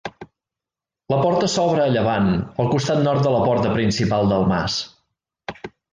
La porta s'obre a llevant, al costat nord de la porta principal del mas.